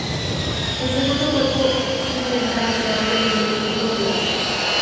El segundo cuerpo tiene ventanas de arco de medio punto doblado.